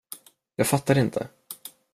Jag fattar inte.